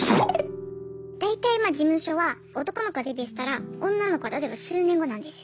大体事務所は男の子がデビューしたら女の子例えば数年後なんですよ。